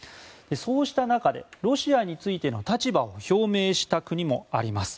そうした中でロシアについての立場を表明した国もあります。